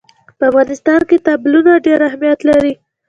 په افغانستان کې تالابونه ډېر اهمیت لري.